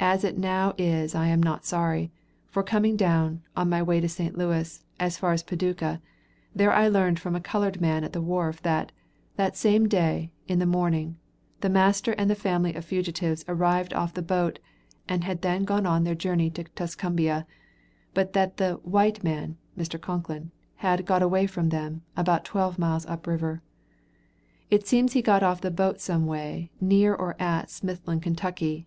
As it now is I am not sorry, for coming down, on my way to St. Louis, as far as Paducah, there I learned from a colored man at the wharf that, that same day, in the morning, the master and the family of fugitives arrived off the boat, and had then gone on their journey to Tuscumbia, but that the "white man" (Mr. Concklin) had "got away from them," about twelve miles up the river. It seems he got off the boat some way, near or at Smithland, Ky.